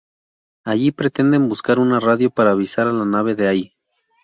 Allí pretenden buscar una radio para avisar a la nave de Ai.